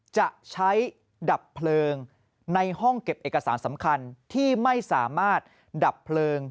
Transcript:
จะใช้ดับเพลิงในห้องเก็บเอกสารสำคัญที่ไม่สามารถดับเพลิง